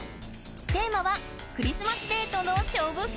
テーマは「クリスマスデートの勝負服」